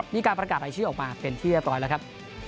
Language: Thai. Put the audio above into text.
มีการประกาศรายชื่อออกมาเป็นที่เรียบร้อยแล้วครับ